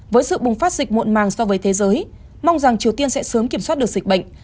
với sự bùng phát dịch muộn màng so với thế giới mong rằng triều tiên sẽ sớm kiểm soát được dịch bệnh